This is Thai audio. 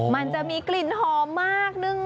มันจะมีกลิ่นหอมมากนึ่ง